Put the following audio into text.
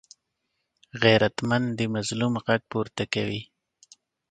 غیرتمند د مظلوم غږ پورته کوي